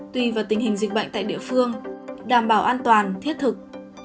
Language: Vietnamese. tùy vào tình hình dịch bệnh tại địa phương đảm bảo an toàn thiết thực